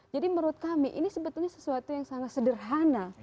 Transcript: jadi menurut kami ini sebetulnya sesuatu yang sangat sederhana